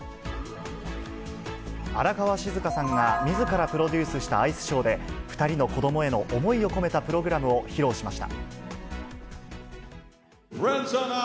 荒川静香さんがみずからプロデュースしたアイスショーで、２人の子どもへの思いを込めたプログラムを披露しました。